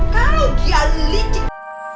kau dia licik